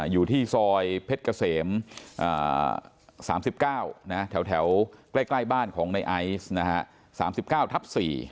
อยู่ที่ซอยเพชรเกษม๓๙แถวใกล้บ้านของในไอซ์๓๙ทับ๔